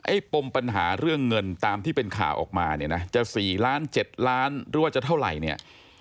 ปมปัญหาเรื่องเงินตามที่เป็นข่าวออกมาเนี่ยนะจะ๔ล้าน๗ล้านหรือว่าจะเท่าไหร่เนี่ย